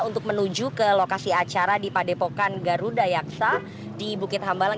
untuk menuju ke lokasi acara di padepokan garuda yaksa di bukit hambalang